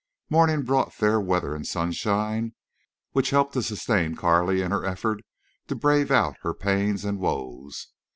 Morning brought fair weather and sunshine, which helped to sustain Carley in her effort to brave out her pains and woes.